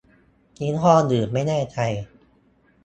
ยี่ห้ออื่นไม่แน่ใจ